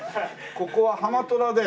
ここはハマトラで。